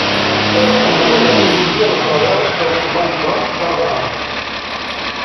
Ell en la novel·la és un líder rebel del Turbant Groc d'alt rang.